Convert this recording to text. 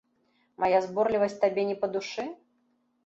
Мая зборлівасць табе не па душы?